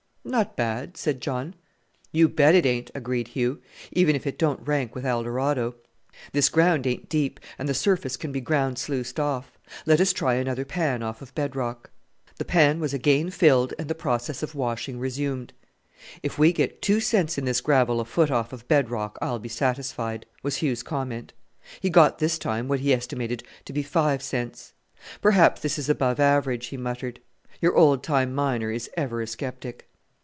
"Not bad!" said John. "You bet it ain't!" agreed Hugh, "even if it don't rank with Eldorado. This ground ain't deep, and the surface can be ground sluiced off. Let us try another pan off of bed rock." The pan was again filled and the process of washing resumed. "If we get two cents in this gravel a foot off of bed rock I'll be satisfied," was Hugh's comment. He got this time what he estimated to be five cents. "Perhaps this is above average," he muttered. Your old time miner is ever a sceptic.